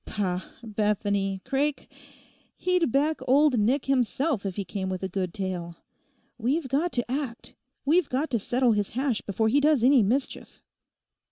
'Pah, Bethany, Craik! He'd back Old Nick himself if he came with a good tale. We've got to act; we've got to settle his hash before he does any mischief.